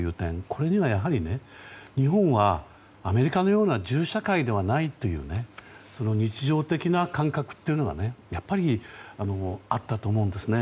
これにはやはり日本はアメリカのような銃社会ではないという日常的な感覚というのがあったと思うんですね。